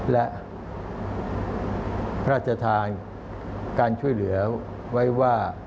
และพระราชทานการช่วยเหลือไว้ว่า